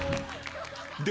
で